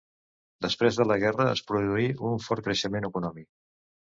Després de la guerra es produí un fort creixement econòmic.